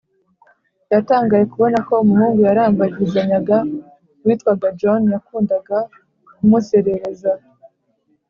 Yatangiye kubona ko umuhungu barambagizanyaga witwaga john yakundaga kumuserereza